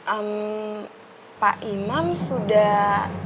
ehm pak imam sudah